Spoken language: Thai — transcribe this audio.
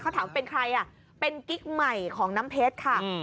เขาถามว่าเป็นใครอ่ะเป็นกิ๊กใหม่ของน้ำเพชรค่ะ